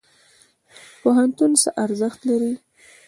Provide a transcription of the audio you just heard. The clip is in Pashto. پوهنتون څه ارزښت لري؟